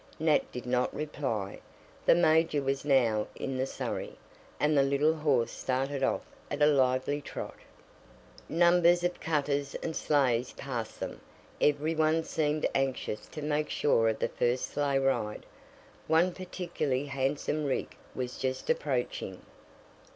Nat did not reply the major was now in the surrey, and the little horse started off at a lively trot. Numbers of cutters and sleighs passed them every one seemed anxious to make sure of the first sleigh ride. One particularly handsome rig was just approaching.